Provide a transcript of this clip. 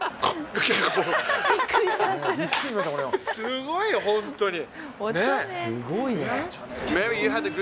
すごいよ、本当に！